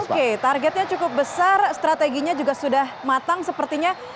oke targetnya cukup besar strateginya juga sudah matang sepertinya